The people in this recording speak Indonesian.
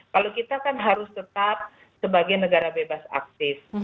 kalau kita kan harus tetap sebagai negara bebas aktif